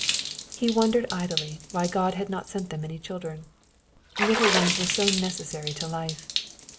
He wondered idly why God had not sent them any children. Little ones were so necessary to life.